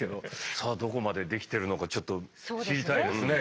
さあどこまでできてるのかちょっと知りたいですね